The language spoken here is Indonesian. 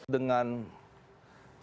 dengan perpres ini